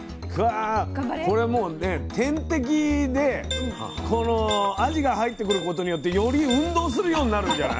これもうね天敵でこのアジが入ってくることによってより運動するようになるんじゃない？